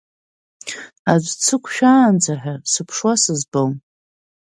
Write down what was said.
Аӡә дсықәшәаанӡа ҳәа, сыԥшуа сызтәом…